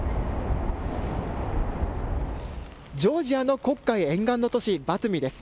ジョージアの黒海沿岸の都市バトゥミです。